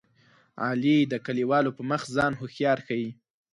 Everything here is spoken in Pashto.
علي د کلیوالو په مخ ځان هوښیار ښيي.